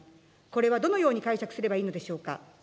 これはどのように解釈すればいいのでしょうか。